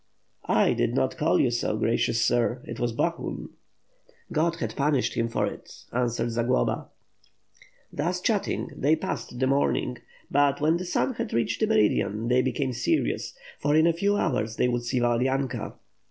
"I did not call you so, gracious sir, it was Bohun." "God has punished him for it," answered Zagloba. Thus chatting, they passed the morning; but when the sun had reached the meridian, they became serious, for in a few hours they would see Valadynka.